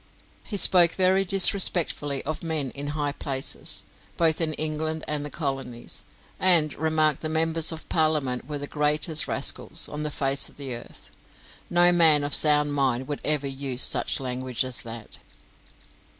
He spoke very disrespectfully of men in high places, both in England and the Colonies; and remarked that Members of Parliament were the greatest rascals on the face of the earth. No man of sound mind would ever use such language as that.